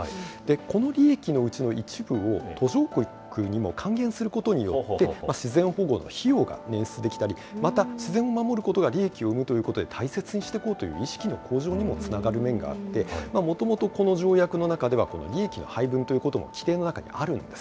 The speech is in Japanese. この利益のうちの一部を途上国にも還元することによって、自然保護の費用が捻出できたり、また、自然を守ることが利益を生むということで、大切にしていこうという意識の向上にもつながる面があって、もともとこの条約の中では、この利益の配分ということも、規定の中にあるんです。